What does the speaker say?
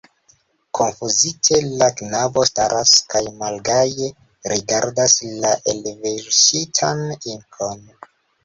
Konfuzite la knabo staras kaj malgaje rigardas la elverŝitan inkon.